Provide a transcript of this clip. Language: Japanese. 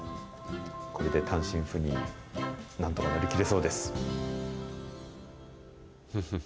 これで単身赴任、なんとか乗り切れそうです。